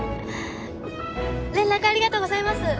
ありがとうございます。